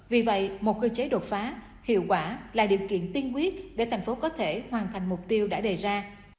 vì vậy một cơ chế đột phá hiệu quả là điều kiện tiên quyết để tp hcm hoàn thành mục tiêu đã đề ra